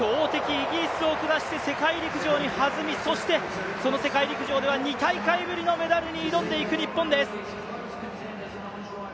イギリスを下して世界陸上にはずみ、そしてその世界陸上では２大会ぶりのメダルに挑んでいく日本です。